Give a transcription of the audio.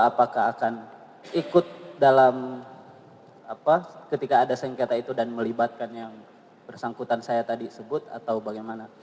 apakah akan ikut dalam ketika ada sengketa itu dan melibatkan yang bersangkutan saya tadi sebut atau bagaimana